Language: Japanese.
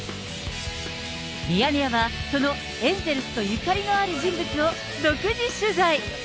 ミヤネ屋はそのエンゼルスとゆかりのある人物を独自取材。